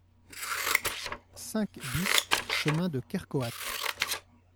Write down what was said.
cinq BIS chemin de Kerc'hoat